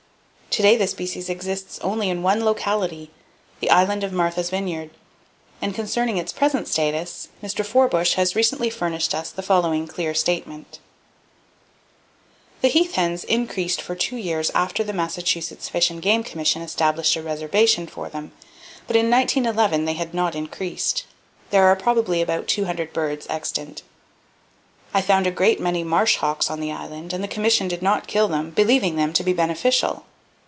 To day, the species exists only in one locality, the island of Martha's Vineyard, and concerning its present status, Mr. Forbush has recently furnished us the following clear statement: "The heath hens increased for two years after the Massachusetts Fish and Game Commission established a reservation for them, but in 1911 they had not increased. There are probably about two hundred birds extant. "I found a great many marsh hawks on the Island and the Commission did not kill them, believing them to be beneficial.